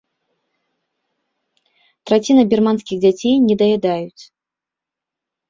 Траціна бірманскіх дзяцей недаядаюць.